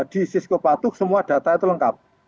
di syskopatu semua data itu lengkap